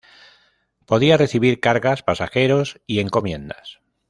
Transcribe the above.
Podía recibir cargas, pasajeros y encomiendas.